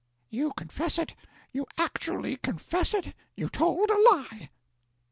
"You confess it you actually confess it you told a lie!"